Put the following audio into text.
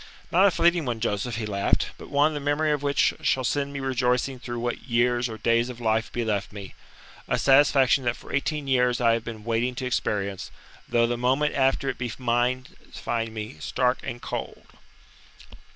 "Not a fleeting one, Joseph," he laughed. "But one the memory of which shall send me rejoicing through what years or days of life be left me. A satisfaction that for eighteen years I have been waiting to experience; though the moment after it be mine find me stark and cold."